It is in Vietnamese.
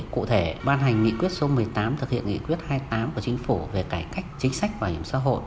cụ thể ban hành nghị quyết số một mươi tám thực hiện nghị quyết hai mươi tám của chính phủ về cải cách chính sách bảo hiểm xã hội